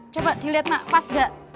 coba dilihat mak pas gak